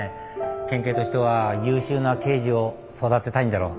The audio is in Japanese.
県警としては優秀な刑事を育てたいんだろ。